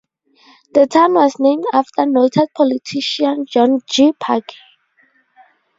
The town was named after noted politician John G. Parke.